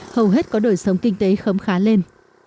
hầu hết có đổi sống kinh tế khấm khá lên